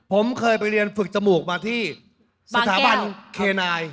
ผมเคยไปเรียนฝึกจมูกมาที่สถาบันเคนาย